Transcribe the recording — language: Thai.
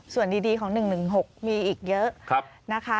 ส่วนดีของ๑๑๖มีอีกเยอะนะคะ